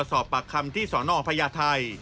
สอบปากคำที่สนพญาไทย